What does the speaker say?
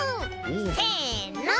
せの。